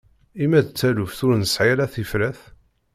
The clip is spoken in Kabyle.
I ma d taluft ur nesɛi ara tifrat?